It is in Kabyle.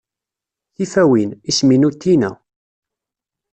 Tifawin, isem-inu Tina.